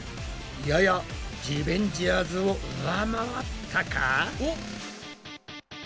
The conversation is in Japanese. ややリベンジャーズを上回ったか？